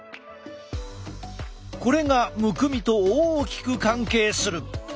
これがむくみと大きく関係する！